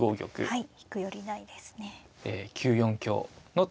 はい。